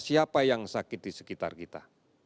siapa yang sakit di sekitar kita